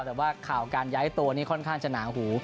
แต่ว่าข่าวการย้ายตัวนี้ค่อนข้างจะหนาหู